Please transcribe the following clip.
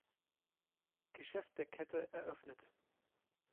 Geschäft der Kette eröffnet.